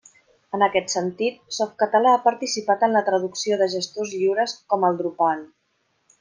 En aquest sentit, Softcatalà ha participat en la traducció de gestors lliures com el Drupal.